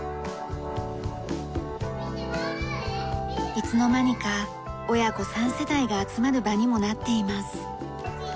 いつの間にか親子３世代が集まる場にもなっています。